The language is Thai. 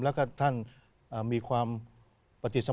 และท่านมีความปฏิเสธมาก